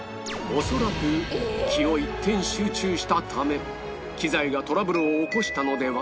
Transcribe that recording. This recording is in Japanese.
恐らく気を一点集中したため機材がトラブルを起こしたのでは？